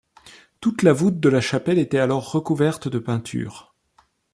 Toute la voûte de la chapelle était alors recouverte de peintures.